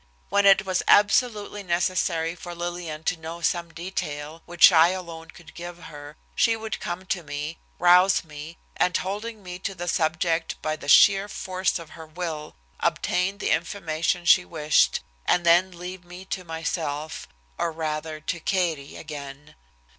When it was absolutely necessary for Lillian to know some detail, which I alone could give her, she would come to me, rouse me, and holding me to the subject by the sheer force of her will, obtain the information she wished, and then leave me to myself, or rather to Katie again.